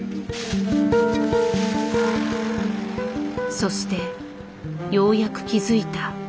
そしてようやく気づいた。